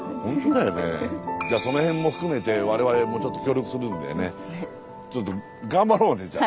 じゃあその辺も含めて我々もちょっと協力するんでねちょっと頑張ろうねじゃあ。